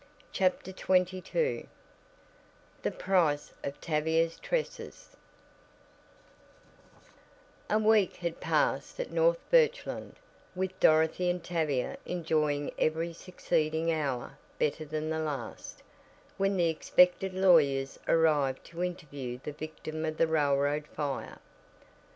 CHAPTER XXII THE PRICE OF TAVIA'S TRESSES A week had passed at North Birchland, with Dorothy and Tavia enjoying every succeeding hour better than the last, when the expected lawyers arrived to interview the victim of the railroad fire.